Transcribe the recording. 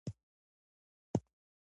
دا په تاریخي معلوماتو ولاړ دی.